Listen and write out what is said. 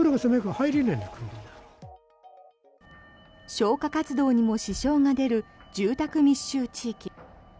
消火活動にも支障が出る住宅密集地域。